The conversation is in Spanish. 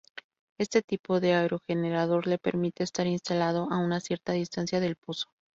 Este tipo de aerogenerador le permite estar instalado a una cierta distancia del pozo.